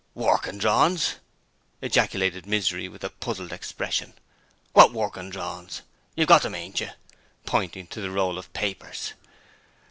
'Workin' drorins!' ejaculated Misery with a puzzled expression. 'Wot workin' drorins? You've got them, ain't yer?' pointing to the roll of papers.